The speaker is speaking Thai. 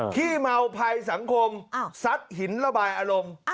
ขี้เมาภัยสังคมซัดหินระบายอารมณ์